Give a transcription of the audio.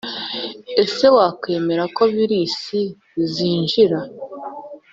Ese wakwemera ko virusi zinjira